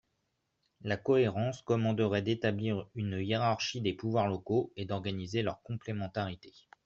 La cohérence commanderait d’établir une hiérarchie des pouvoirs locaux et d’organiser leur complémentarité.